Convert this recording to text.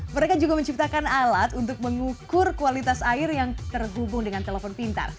mereka juga menciptakan alat untuk mengukur kualitas air yang terhubung dengan telepon pintar